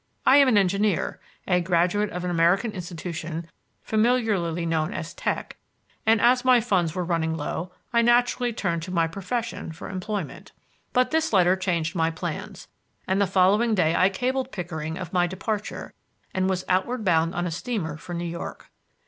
I am an engineer, a graduate of an American institution familiarly known as "Tech," and as my funds were running low, I naturally turned to my profession for employment. But this letter changed my plans, and the following day I cabled Pickering of my departure and was outward bound on a steamer for New York.